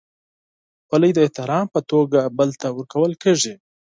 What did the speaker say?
خولۍ د احترام په توګه بل ته ورکول کېږي.